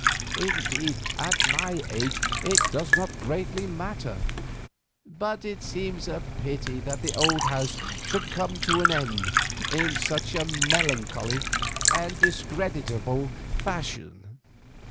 Indeed, at my age, it does not greatly matter, but it seems a pity that the old house should come to an end in such a melancholy and discreditable fashion."